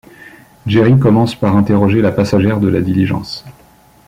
Jerry commence par interroger la passagère de la diligence.